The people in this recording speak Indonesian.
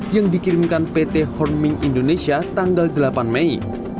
yang dikirimkan pt horming indonesia tanggal delapan mei